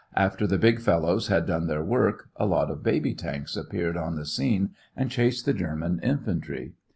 After the big fellows had done their work, a lot of baby tanks appeared on the scene and chased the German infantry.